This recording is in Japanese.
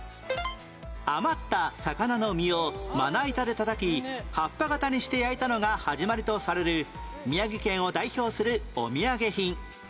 余った魚の身をまな板でたたき葉っぱ形にして焼いたのが始まりとされる宮城県を代表するお土産品